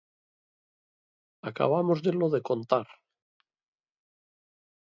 Acabámosllelo de contar.